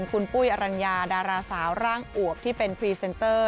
คุณปุ้ยอรัญญาดาราสาวร่างอวบที่เป็นพรีเซนเตอร์